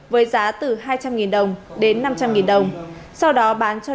với giá từ hai trăm linh đồng đến năm trăm linh đồng sau đó bán cho đối tượng khai nhận các tài khoản ngân hàng